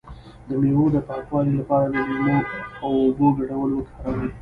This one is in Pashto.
د میوو د پاکوالي لپاره د لیمو او اوبو ګډول وکاروئ